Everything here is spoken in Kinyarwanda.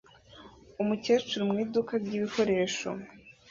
Umukecuru mu iduka ryibikoresho